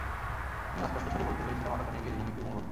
আমি অস্পষ্ট স্বরে বলতে পেরেছিলাম, আলোটা নিভিয়ে দেন, আমি একটু ঘুমাব।